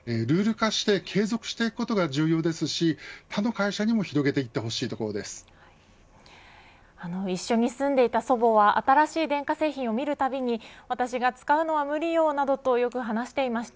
ルール化して継続していくことが重要ですし他の会社にも一緒に住んでいた祖母は新しい電化製品を見るたびに私が使うのは無理よなどとよく話していました。